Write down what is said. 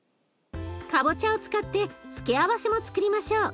かぼちゃを使って付け合わせもつくりましょう。